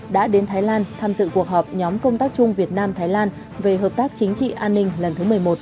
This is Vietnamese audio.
đã đến thái lan tham dự cuộc họp nhóm công tác chung việt nam thái lan về hợp tác chính trị an ninh lần thứ một mươi một